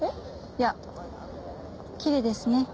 いやきれいですね。